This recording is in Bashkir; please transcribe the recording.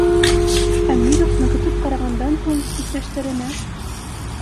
Әмиров нығытып ҡарағандан һуң, иптәштәренә: